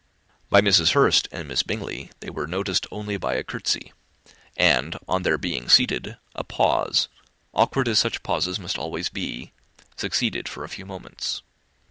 By Mrs. Hurst and Miss Bingley they were noticed only by a courtesy; and on their being seated, a pause, awkward as such pauses must always be, succeeded for a few moments.